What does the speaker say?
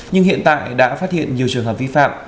nhưng hiện tại đã phát hiện nhiều trường hợp vi phạm